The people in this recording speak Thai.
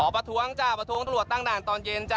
ประท้วงตำรวจตั้งด่านตอนเย็น